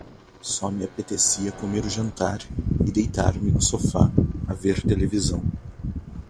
Só me apetecia comer o jantar e deitar-me no sofá a ver televisão.